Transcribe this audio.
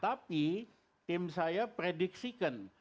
tapi tim saya prediksikan